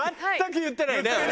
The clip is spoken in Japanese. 全く言ってないよね。